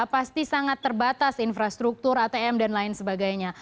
pasti sangat terbatas infrastruktur atm dan lain sebagainya